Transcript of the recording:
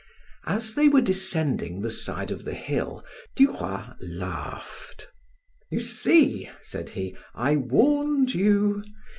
As they were descending the side of the hill, Duroy laughed. "You see," said he, "I warned you.